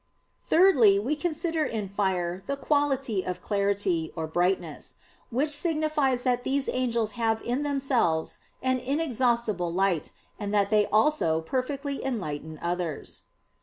Thirdly we consider in fire the quality of clarity, or brightness; which signifies that these angels have in themselves an inextinguishable light, and that they also perfectly enlighten others.